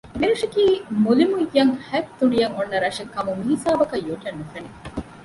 މިރަށަކީ މުލިމުއްޔަށް ހަތް ތުނޑިއަށް އޮންނަ ރަށެއް ކަމުން މިހިސާބަކަށް ޔޮޓެއް ނުފެނެ